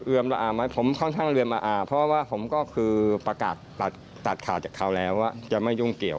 ผมค่อนข้างเอือมละอาเพราะว่าผมก็คือประกาศตัดข่าวจากเขาแล้วว่าจะไม่ยุ่งเกี่ยว